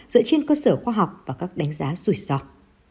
dựa trên cơ sở khoa học và các đánh giá rủi ro